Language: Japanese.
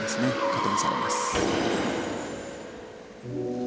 加点されます。